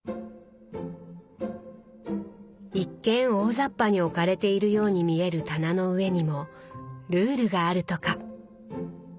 一見大ざっぱに置かれているように見える棚の上にもルールがあるとか。